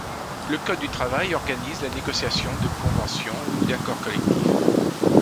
Le code du travail organise la négociation de conventions ou d'accords collectifs.